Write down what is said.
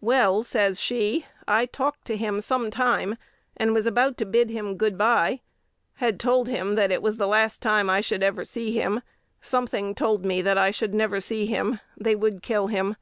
"Well," says she, "I talked to him some time, and was about to bid him good by; had told him that it was the last time I should ever see him: something told me that I should never see him; they would kill him.